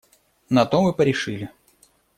На том и порешили.